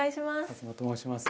薩摩と申します